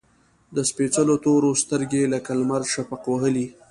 د سپیڅلو تورو، سترګې لکه لمر شفق وهلي